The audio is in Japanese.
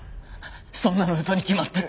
そんなの嘘に決まってる！